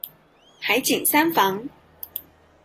海景三房